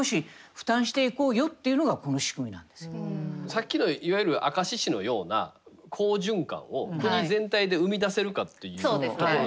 さっきのいわゆる明石市のような好循環を国全体で生み出せるかっていうところ。